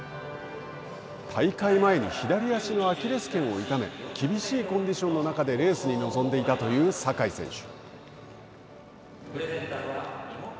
大会前に左足のアキレスけんを痛め厳しいコンディションの中でレースに臨んでいたという坂井選手。